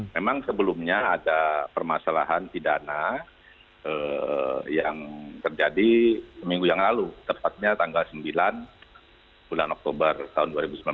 memang sebelumnya ada permasalahan pidana yang terjadi seminggu yang lalu tepatnya tanggal sembilan bulan oktober tahun dua ribu sembilan belas